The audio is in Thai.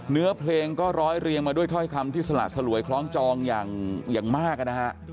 เนื้อเพลงก็ร้อยเรียงมาด้วยถ้อยคำที่สละสลวยคล้องจองอย่างมากนะฮะ